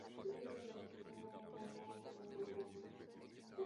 Společnost se rozdělila na dva tábory.